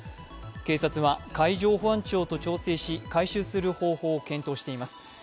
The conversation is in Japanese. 警察は海上保安庁と調整し、回収する方法を検討しています。